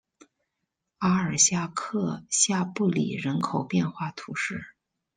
阿尔夏克下布里人口变化图示